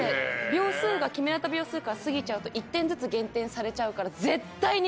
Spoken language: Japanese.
秒数が決められた秒数から過ぎちゃうと１点ずつ減点されちゃうから。